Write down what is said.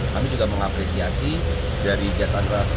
nah terkait dengan kondisi ini kita masih mencari informasi informasi terbaru